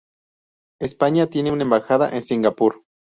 España tiene una embajada en Singapur.